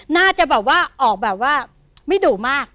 น่าจะแบบว่าออกแบบว่าไม่ดุมาก